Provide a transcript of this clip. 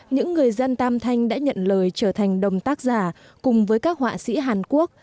những người dân tam thanh đã nhận lời trở thành đồng tác giả cùng với các họa sĩ hàn quốc